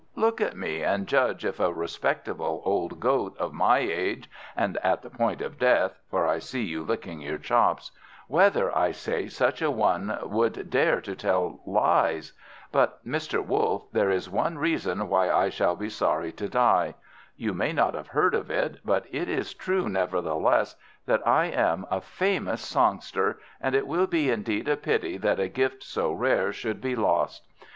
Look at me and judge if a respectable old Goat of my age, and at the point of death for I see you licking your chops whether, I say, such a one would dare to tell lies. But, Mr. Wolf, there is one reason why I shall be sorry to die. You may not have heard of it, but it is true nevertheless that I am a famous songster, and it will be indeed a pity that a gift so rare should be lost.